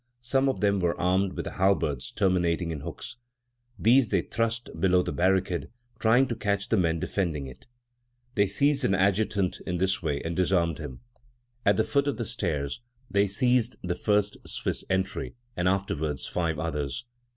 Some of them were armed with halberds terminating in hooks. These they thrust below the barricade, trying to catch the men defending it. They seized an adjutant in this way and disarmed him. At the foot of the stairs "they seized the first Swiss sentry and afterwards five others.